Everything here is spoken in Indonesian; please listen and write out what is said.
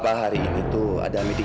bapak hari ini teng arguing